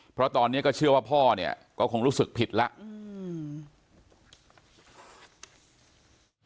เพราะตอนนี้ก็เชื่อว่าพ่อเนี่ยก็คงรู้สึกผิดแล้วอืม